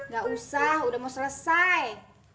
gak usah udah mau selesai